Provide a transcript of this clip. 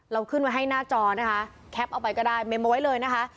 ขึ้นไว้ให้หน้าจอนะคะแคปเอาไปก็ได้เมมเอาไว้เลยนะคะ